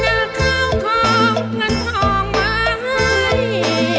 จะเอาข้าวของเงินทองมาให้